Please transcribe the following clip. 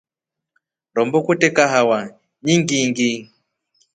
Rombo kwete kahawa nyingʼingi.